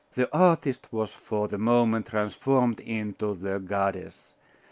The artist was for the moment transformed into the goddess.